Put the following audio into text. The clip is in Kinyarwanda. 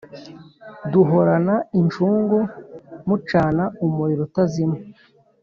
Duhorana incungu, Mucana umuriro utazima